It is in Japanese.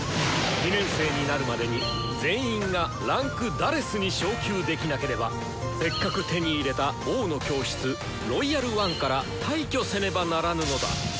２年生になるまでに全員が位階「４」に昇級できなければせっかく手に入れた「王の教室」「ロイヤル・ワン」から退去せねばならぬのだ！